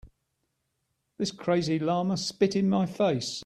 This crazy llama spit in my face.